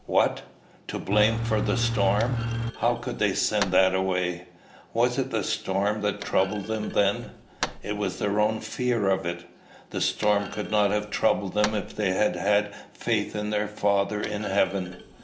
"What! To blame for the storm? How could they send that away?" "Was it the storm that troubled them then? It was their own fear of it. The storm could not have troubled them if they had had faith in their Father in heaven."